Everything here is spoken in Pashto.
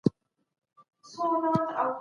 سفیران چیري د اقلیتونو حقونه لټوي؟